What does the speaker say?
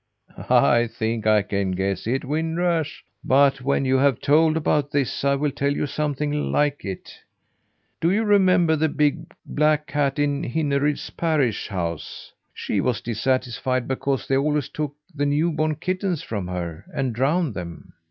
"I think I can guess it, Wind Rush, but when you have told about this, I will tell you something like it. Do you remember the big, black cat in Hinneryd's parish house? She was dissatisfied because they always took the new born kittens from her, and drowned them.